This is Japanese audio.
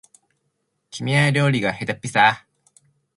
君は料理がへたっぴさ